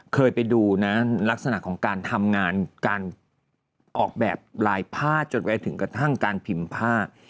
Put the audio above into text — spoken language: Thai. เคยไปดูนะลักษณะของการทำงานการออกแบบลายผ้าจนไว้ถึงกระทั่งการพิมพ์ผ้า